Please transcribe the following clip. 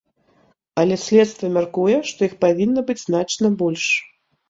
Але следства мяркуе, што іх павінна быць значна больш.